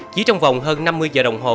chỉ trong vòng hơn năm mươi giờ đồng hồ